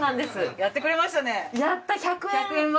やった１００円は。